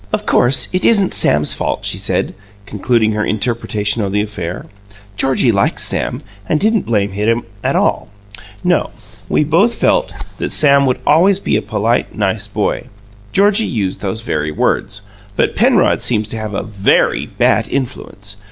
"Of course, it isn't Sam's fault," she said, concluding her interpretation of the affair. "Georgie likes Sam, and didn't blame him at all. No; we both felt that Sam would always be a polite, nice boy Georgie used those very words but Penrod seems to have a VERY bad influence.